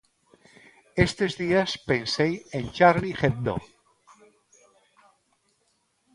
Estes días pensei en Charlie Hebdo.